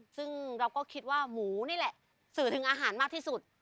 ซึ่งเราก็คิดว่าหมูนี่แหละสื่อถึงอาหารมากที่สุด